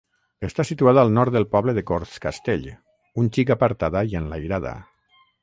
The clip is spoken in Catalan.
Està situada al nord del poble de Cortscastell, un xic apartada i enlairada.